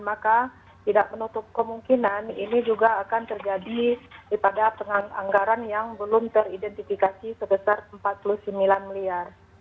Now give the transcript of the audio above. maka tidak menutup kemungkinan ini juga akan terjadi pada penganggaran yang belum teridentifikasi sebesar rp empat puluh sembilan miliar